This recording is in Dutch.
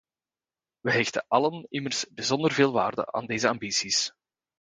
Wij hechten allen immers bijzonder veel waarde aan deze ambities.